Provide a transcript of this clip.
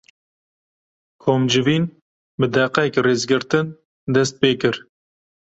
Komcivîn, bi deqeyek rêzgirtin dest pê kir